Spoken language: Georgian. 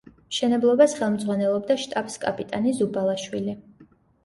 მშენებლობას ხელმძღვანელობდა შტაბს-კაპიტანი ზუბალაშვილი.